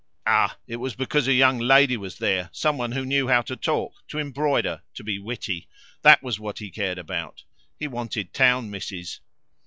Ah! it was because a young lady was there, some one who know how to talk, to embroider, to be witty. That was what he cared about; he wanted town misses."